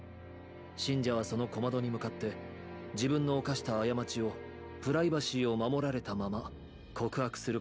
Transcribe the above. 信者はその小窓に向かって自分の犯した「あやまち」をプライバシーを守られたまま告白することができるのだ。